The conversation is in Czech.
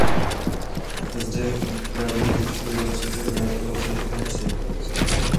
Zde výpravě došly zásoby a vrátila se do Francie.